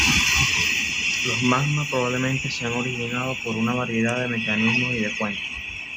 Los magmas probablemente se han originado por una variedad de mecanismos y de fuentes.